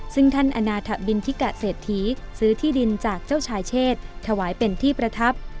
ซึ่งท่านอนาธบินทิกะเศรษฐีซื้อที่ดินจากเจ้าชายเชษถวายเป็นที่ประทับ